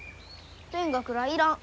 勉学らあいらん。